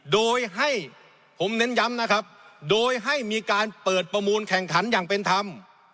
โดยให้ผมเน้นย้ำนะครับโดยให้มีการเปิดประมูลแข่งขันอย่างเป็นธรรม